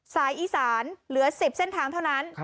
สายอีสานเหลือ๑๐เส้นทางเท่านั้น